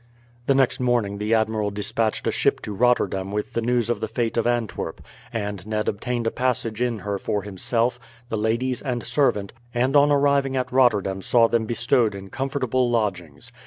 The next morning the admiral despatched a ship to Rotterdam with the news of the fate of Antwerp, and Ned obtained a passage in her for himself, the ladies, and servant, and on arriving at Rotterdam saw them bestowed in comfortable lodgings.